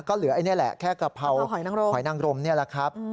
ก็เหลือแค่กะเพราหอยนั่งรมนี่แหละครับ